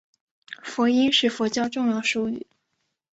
佛音是佛教重要术语。